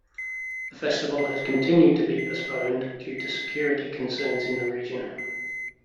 The Festival has continued to be postponed due to security concerns in the region.